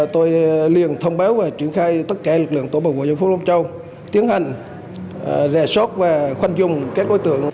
tôi liền thông báo và triển khai tất cả lực lượng tổ bộ vụ dân phố long châu tiến hành rè sốt và khoanh dùng các đối tượng